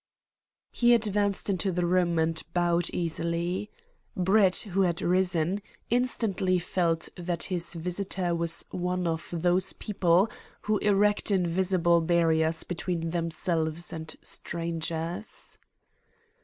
He advanced into the room and bowed easily. Brett, who had risen, instantly felt that his visitor was one of those people who erect invisible barriers between themselves and strangers.